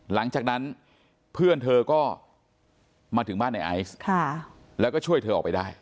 หลังจากนั้นเพื่อนเธอก็มาถึงบ้านในไอซ์แล้วก็ช่วยเธอออกไปได้